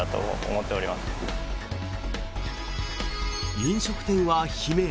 飲食店は悲鳴。